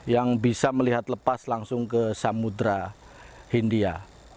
yang bisa melihat lepas langsung ke samudera hindia